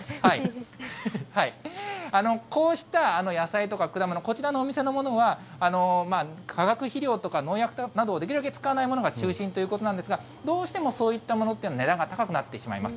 こうした野菜とか果物、こちらのお店のものは、化学肥料とか農薬などをできるだけ使わないものが中心ということなんですが、どうしてもそういったものというのは、値段が高くなってしまいます。